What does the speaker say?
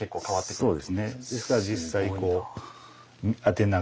そうです。